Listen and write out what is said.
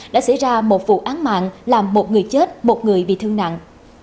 đã xảy ra một vụ án mạng làm một người chết một người bị thương nặng